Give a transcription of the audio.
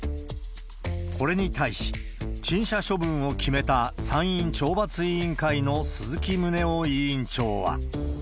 これに対し、陳謝処分を決めた参院懲罰委員会の鈴木宗男委員長は。